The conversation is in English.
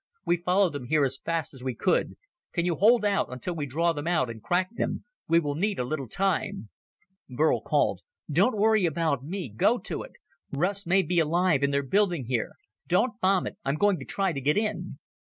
We followed them here as fast as we could. Can you hold out until we draw them out and crack them? We will need a little time." Burl called, "Don't worry about me. Go to it. Russ may be alive in their building here. Don't bomb it. I'm going to try to get in."